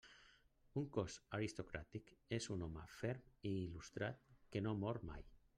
Un cos aristocràtic és un home ferm i il·lustrat que no mor mai.